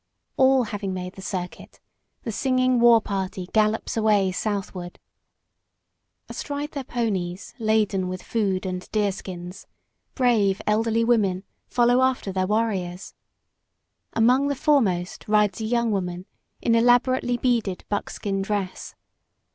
All having made the circuit, the singing war party gallops away southward. Astride their ponies laden with food and deerskins, brave elderly women follow after their warriors. Among the foremost rides a young woman in elaborately beaded buckskin dress.